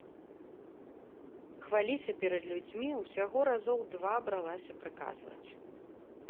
Хваліся перад людзьмі ўсяго разоў два бралася прыказваць.